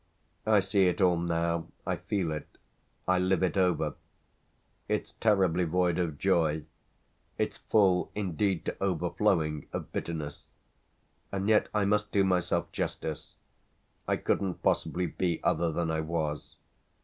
I see it all now, I feel it, I live it over. It's terribly void of joy, it's full indeed to overflowing of bitterness; and yet I must do myself justice I couldn't possibly be other than I was.